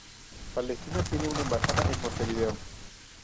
Palestina tiene una embajada en Montevideo.